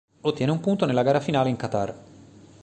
Ottiene un punto nella gara finale in Qatar.